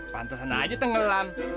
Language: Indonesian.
pantesan aja tenggelam